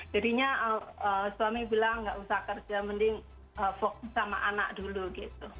jadinya suami bilang nggak usah kerja mending fokus sama anak dulu gitu